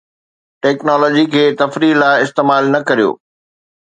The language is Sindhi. ٽيڪنالاجي کي تفريح لاء استعمال نه ڪريو